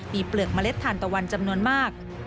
มีเปลือกเมล็ดทานตะวันจำนวนมาก